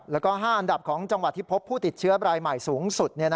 แล้วก็๕อันดับของจังหวัดที่พบผู้ติดเชื้อรายใหม่สูงสุด